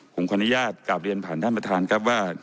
ผมขออนุญาตกลับเรียนผ่านท่านประธานครับว่า